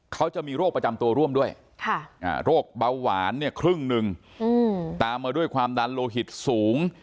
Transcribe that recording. เขาจะมีโรคประจำตัวร่วมด้วยโรคเบาหวานเนี่ยครึ่งหนึ่งตามมาด้วยความดันโลหิตสูง